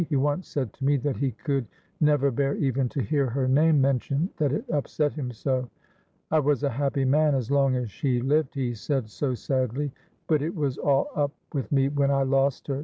"He once said to me that he could never bear even to hear her name mentioned, that it upset him so. 'I was a happy man as long as she lived,' he said, so sadly, 'but it was all up with me when I lost her.